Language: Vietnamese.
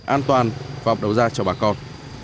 an toàn và ổn đầu ra cho bà con